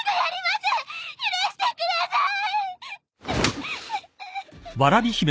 手離してください。